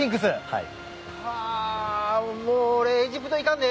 はい。